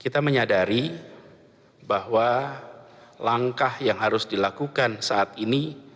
kita menyadari bahwa langkah yang harus dilakukan saat ini